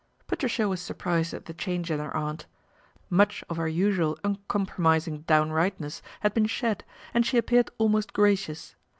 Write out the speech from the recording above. Patricia was surprised at the change in her aunt. Much of her usual uncompromising downrightness had been shed, and she appeared almost gracious.